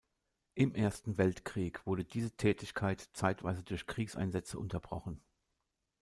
Im Ersten Weltkrieg wurde diese Tätigkeit zeitweise durch Kriegseinsätze unterbrochen.